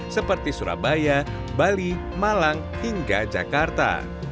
seperti surabaya bali malang hingga jakarta